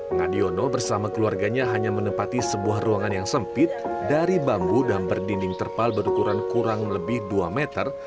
ngadiono bersama keluarganya hanya menempati sebuah ruangan yang sempit dari bambu dan berdinding terpal berukuran kurang lebih dua meter